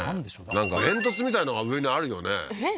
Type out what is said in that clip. なんか煙突みたいのが上にあるよねえっ